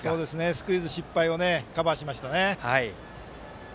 スクイズ失敗をカバーしましたね。